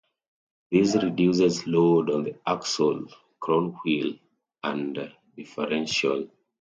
This reduces load on the axle crownwheel and differential.